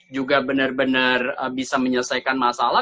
juga benar benar bisa menyelesaikan masalah